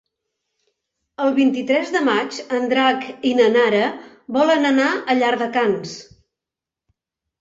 El vint-i-tres de maig en Drac i na Nara volen anar a Llardecans.